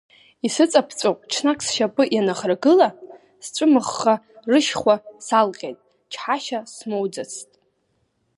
Исыҵаԥҵәо ҽнак сшьапы ианаӷрагыла, сҵәымыӷха рышьхәа салҟьеит, чҳашьа смоуӡазт.